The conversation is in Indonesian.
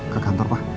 ke kantor pak